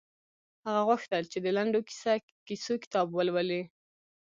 هغه غوښتل چې د لنډو کیسو کتاب ولولي